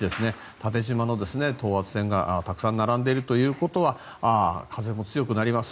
縦じまの等圧線がたくさん並んでいるということは風も強くなります。